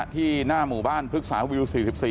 ที่หน้าหมู่บ้านพฤกษาวิว๔๔